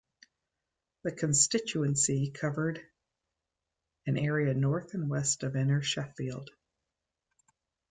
The constituency covered an area north and west of inner Sheffield.